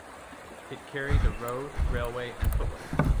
It carries a road, railway and footway.